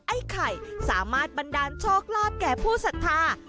ไอ้ไข่สามารถบันดาลโชคลาภแก่ผู้ศรัทธา